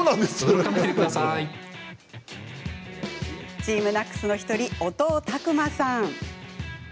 ＴＥＡＭＮＡＣＳの１人音尾琢真さん。